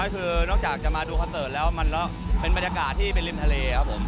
คือนอกจากจะมาดูคอนเสิร์ตแล้วมันก็เป็นบรรยากาศที่เป็นริมทะเลครับผม